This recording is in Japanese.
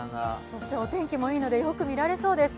そしてお天気もいいのでよく見られそうです。